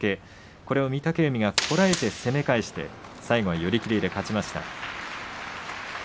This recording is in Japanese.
これを御嶽海がこらえて攻め返して最後は寄り切りで勝ちました。